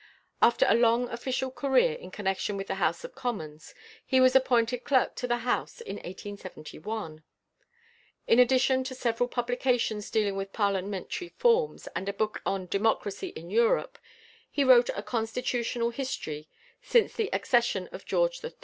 After a long official career in connection with the House of Commons, he was appointed Clerk to the House in 1871. In addition to several publications dealing with Parliamentary forms, and a book on "Democracy in Europe," he wrote a "Constitutional History since the Accession of George III.